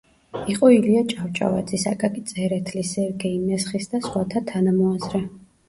იყო ილია ჭავჭავაძის, აკაკი წერეთლის, სერგეი მესხის და სხვათა თანამოაზრე.